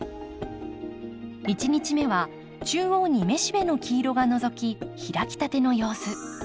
１日目は中央に雌しべの黄色がのぞき開きたての様子。